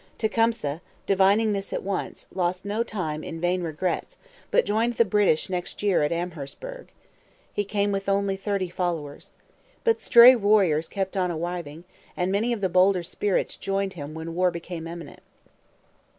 Tecumseh, divining this at once, lost no time in vain regrets, but joined the British next year at Amherstburg. He came with only thirty followers. But stray warriors kept on arriving; and many of the bolder spirits joined him when war became imminent.